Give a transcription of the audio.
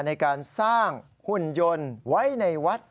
ในการสร้างหุ่นยนต์ไว้ในวัด